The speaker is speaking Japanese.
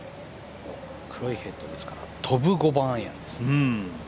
黒いヘッドですから飛ぶ５番アイアンですね。